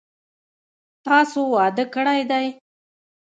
تاسو واده کړی دی؟